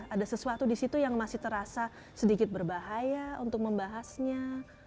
ada sesuatu di situ yang masih terasa sedikit berbahaya untuk membahasnya